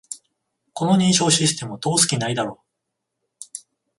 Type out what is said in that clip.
この認証システム、通す気ないだろ